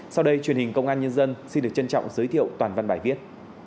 sau đây truyền hình công an nhân dân xin được trân trọng giới thiệu toàn văn bài viết